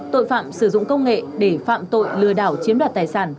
tội phạm sử dụng công nghệ để phạm tội lừa đảo chiếm đoạt tài sản